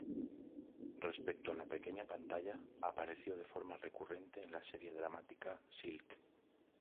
Respecto a la pequeña pantalla, apareció de forma recurrente en la serie dramática "Silk".